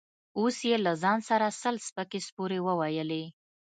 اوس يې له ځان سره سل سپکې سپورې وويلې.